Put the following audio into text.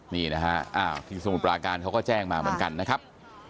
นี่นะฮะที่สมุทรปราการเขาก็แจ้งมาเหมือนกันนะครับ